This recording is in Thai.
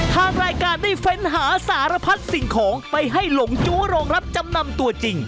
ทางรายการได้เฟ้นหาสารพัดสิ่งของไปให้หลงจู้โรงรับจำนำตัวจริง